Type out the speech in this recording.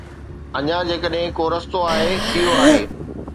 اڃا، جيڪڏهن ڪو رستو آهي، اهو آهي.